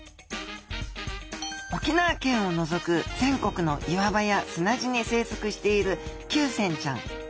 沖縄県をのぞく全国の岩場や砂地に生息しているキュウセンちゃん。